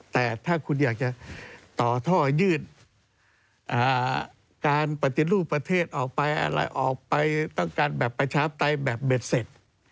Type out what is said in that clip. แต่ถ้าคุณอยากจะต่อท่อยืดการปฏิรูปประเทศออกไปอะไรออกไปต้องการแบบประชาปไตยแบบเบ็ดเสร็จ